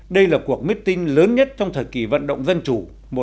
đây là cuộc meeting lớn nhất trong thời kỳ vận động dân chủ